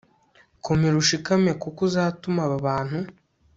komera ushikame kuko uzatuma aba bantu